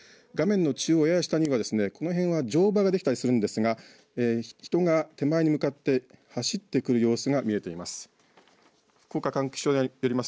画面の中央やや下にはこの辺は乗馬ができたりするんですが、人が手前に走ってくる様子が見えています。